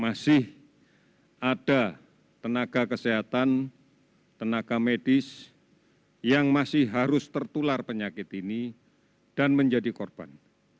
masih ada tenaga kesehatan tenaga medis yang masih harus tertular penyakit ini dan menjadi korban